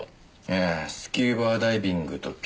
ええスキューバダイビングとピアノかあ。